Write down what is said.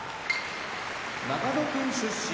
長野県出身